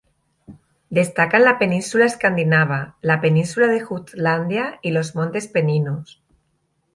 Destacan la península Escandinava, la península de Jutlandia y los montes Peninos.